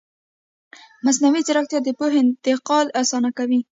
مصنوعي ځیرکتیا د پوهې انتقال اسانه کوي.